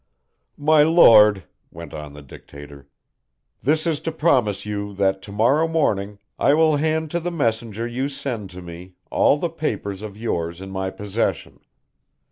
"'My Lord,'" went on the dictator. "'This is to promise you that to morrow morning I will hand to the messenger you send to me all the papers of yours in my possession.